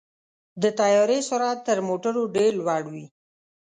د طیارې سرعت تر موټرو ډېر لوړ وي.